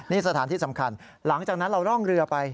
นี่สถานที่สำคัญหลังจากนั้นเราร่องเรือไป